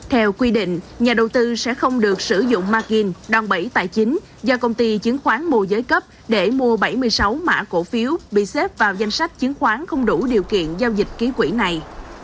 theo quy định nhà đầu tư sẽ không được sử dụng margin đòn bẫy tài chính do công ty chứng khoán mua giới cấp để mua bảy mươi sáu mã cổ phiếu bị xếp vào danh sách chứng khoán không đủ điều kiện giao dịch ký quỹ này